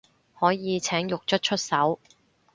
可以請獄卒出手